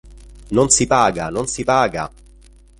Non si paga, non si paga!